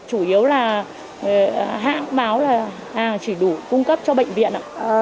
chủ yếu là hãng báo là chỉ đủ cung cấp cho bệnh viện